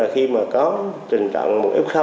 khi mà có trình trận một f